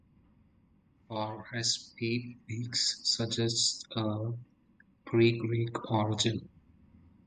R. S. P. Beekes suggests a Pre-Greek origin.